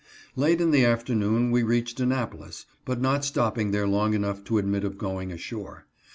Late in the afternoon we reached Annapolis, but not stopping there long enough to admit of going ashore.